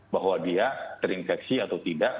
bahwa dia terinfeksi atau tidak